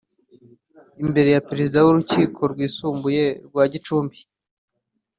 Imbere ya Perezida w’Urukiko Rwisumbuye rwa Gicumbi